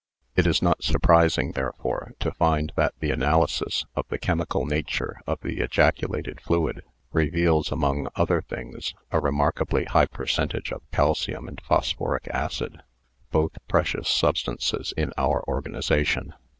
It is not surprising, therefore, to find that the analysis of the chemical nature of the ejaculated fluid reveals among other things a remarkably high percentage of calcium and phosphoric acid — both precious sub stances in our organisation.